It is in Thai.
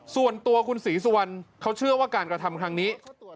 ส่วนตัวคุณศรีสุวรรณเขาเชื่อว่าการกระทำครั้งนี้